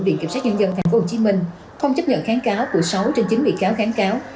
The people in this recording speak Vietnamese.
viện kiểm sát nhân dân tp hcm không chấp nhận kháng cáo của sáu trên chín bị cáo kháng cáo